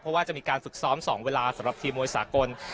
เพราะว่าจะมีการฝึกซ้อม๒เวลาสำหรับทีมมวยสากล